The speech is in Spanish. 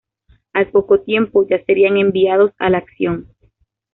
Al poco tiempo ya serían enviados a la acción.